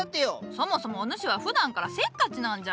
そもそもお主はふだんからせっかちなんじゃ！